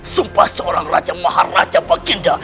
sumpah seorang raja maharaja baginda